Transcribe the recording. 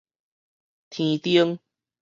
天燈